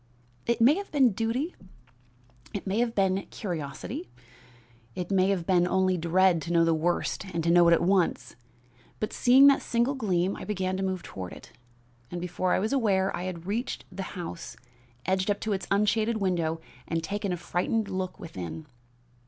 It may have been duty; it may have been curiosity; it may have been only dread to know the worst and know it at once; but seeing that single gleam I began to move toward it, and, before I was aware, I had reached the house, edged up to its unshaded window and taken a frightened look within.